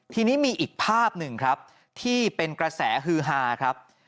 ทีนี้มีอีกภาพหนึ่งครับที่เป็นกระแสฮือฮาครับ